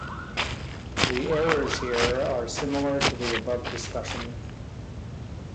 The errors here are similar to the above discussion.